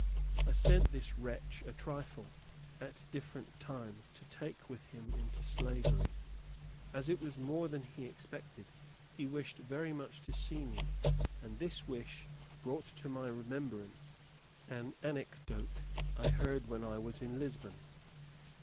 I sent this wretch a trifle, at different times, to take with him into slavery. As it was more than he expected, he wished very much to see me, and this wish brought to my remembrance an anecdote I heard when I was in Lisbon.